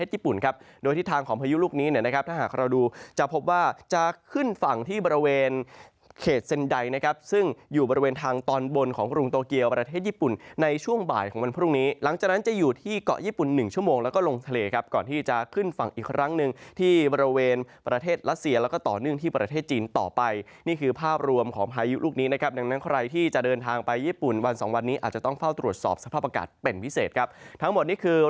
หลังจากนั้นจะอยู่ที่เกาะญี่ปุ่น๑ชั่วโมงแล้วก็ลงทะเลครับก่อนที่จะขึ้นฝั่งอีกครั้งหนึ่งที่บริเวณประเทศรัสเซียแล้วก็ต่อเนื่องที่ประเทศจีนต่อไปนี่คือภาพรวมของพายุลูกนี้นะครับดังนั้นใครที่จะเดินทางไปญี่ปุ่นวัน๒วันนี้อาจจะต้องเฝ้าตรวจสอบสภาพอากาศเป็นพิเศษครับทั้งหมดนี้ค